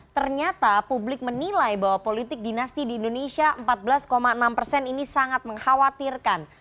ternyata publik menilai bahwa politik dinasti di indonesia empat belas enam persen ini sangat mengkhawatirkan